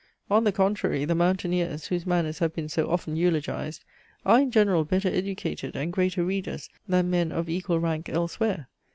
On the contrary the mountaineers, whose manners have been so often eulogized, are in general better educated and greater readers than men of equal rank elsewhere.